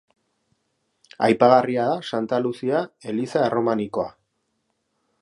Aipagarria da Santa Luzia eliza erromanikoa.